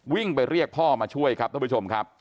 วิ่งไปเรียกพ่อมาช่วยครับท่านผู้ชมครับ